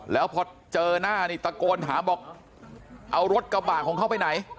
แล้วพอเจอหน้านี่ตะโกนถามบอกเอารถกระบะของเขาไปไหน